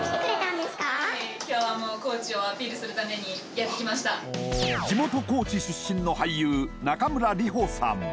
えっ地元高知出身の俳優中村里帆さん